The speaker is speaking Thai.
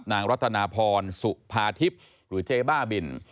นางรัตนาพรสุภาทิพย์หรือเจ๊บ้าบิน